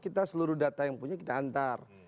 kita seluruh data yang punya kita antar